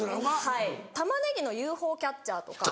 はい玉ねぎのＵＦＯキャッチャーとか。